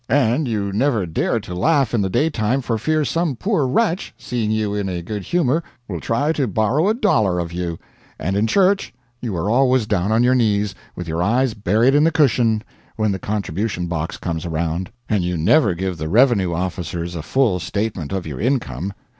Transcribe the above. And you never dare to laugh in the daytime for fear some poor wretch, seeing you in a good humor, will try to borrow a dollar of you; and in church you are always down on your knees, with your eyes buried in the cushion, when the contribution box comes around; and you never give the revenue officers a full statement of your income.